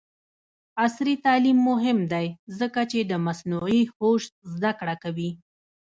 عصري تعلیم مهم دی ځکه چې د مصنوعي هوش زدکړه کوي.